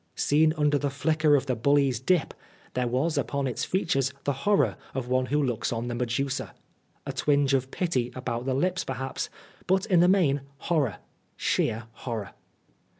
Seen under the flicker of the bully's dip, there was upon its features the horror of one who looks on the Medusa : a twinge of pity about the lips perhaps, but in the main, horror sheer horror.